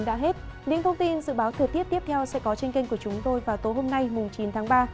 đã hết những thông tin dự báo thời tiết tiếp theo sẽ có trên kênh của chúng tôi vào tối hôm nay chín tháng ba